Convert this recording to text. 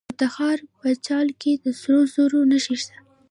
د تخار په چال کې د سرو زرو نښې شته.